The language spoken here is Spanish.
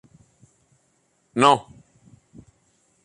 Es miembro de la Sociedad General de Autores de España.